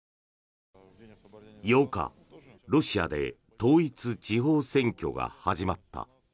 ８日、ロシアで統一地方選挙が始まった。